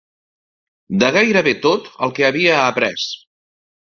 De gairebé tot el que havia après